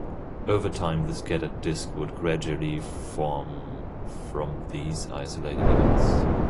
Over time, the scattered disc would gradually form from these isolated events.